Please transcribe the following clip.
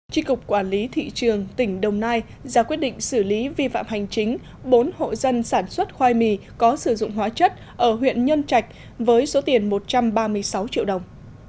trị cục quản lý thị trường tỉnh đồng nai ra quyết định xử lý vi phạm hành chính bốn hộ dân sản xuất khoai mì có sử dụng hóa chất ở huyện nhân trạch với số tiền một trăm ba mươi sáu triệu đồng